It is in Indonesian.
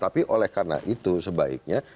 tapi oleh karena itu sebaiknya